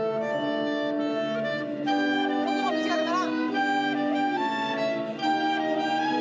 そこも短くならん。